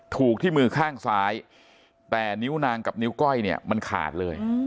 ถูกที่มือข้างซ้ายแต่นิ้วนางกับนิ้วก้อยเนี่ยมันขาดเลย